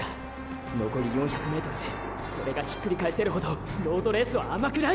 残り４００ｍでそれがひっくり返せるほどロードレースは甘くない！